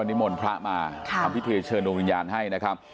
นิมนต์พระมาทำพิธีเชิญดวงวิญญาณให้นะครับ